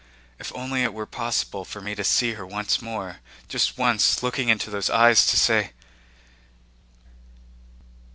"If only it were possible for me to see her once more! Just once, looking into those eyes to say..."